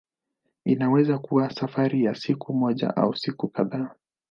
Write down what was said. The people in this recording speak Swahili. Inaweza kuwa safari ya siku moja au siku kadhaa.